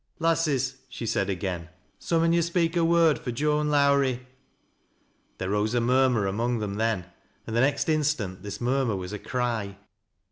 " Lasses," she said again. " Some on yo' speak a word fur Joan Lowrie !" There rose a murmur among them then, and the next instant this murmur was a cry.